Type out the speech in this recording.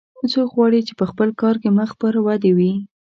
څوک غواړي چې په خپل کار کې مخ پر ودې وي